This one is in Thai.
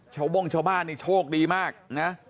ชาวบ่งชาวบ้านเนี่ยโชคดีมากนะ